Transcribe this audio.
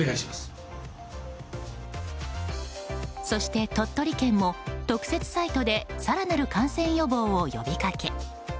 そして鳥取県も特設サイトで更なる感染予防を呼びかけ